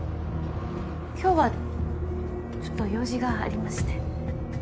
今日はちょっと用事がありまして。